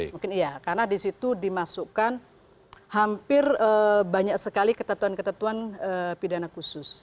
mungkin iya karena di situ dimasukkan hampir banyak sekali ketentuan ketentuan pidana khusus